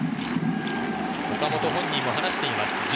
岡本本人も話しています。